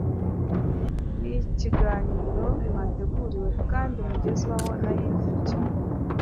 Ni ikiganiro mwateguriwe kandi mugezwaho na Yves Bucyana.